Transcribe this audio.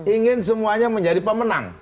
ingin semuanya menjadi pemenang